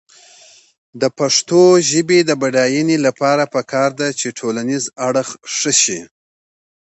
د پښتو ژبې د بډاینې لپاره پکار ده چې ټولنیز اړخ ښه شي.